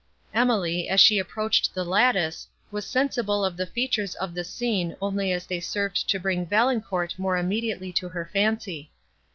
Emily, as she approached the lattice, was sensible of the features of this scene only as they served to bring Valancourt more immediately to her fancy.